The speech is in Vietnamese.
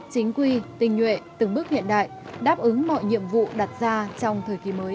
chính quy tinh nhuệ từng bước hiện đại đáp ứng mọi nhiệm vụ đặt ra trong thời kỳ mới